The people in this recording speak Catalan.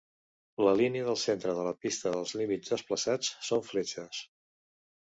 La línia del centre de la pista dels límits desplaçats són fletxes.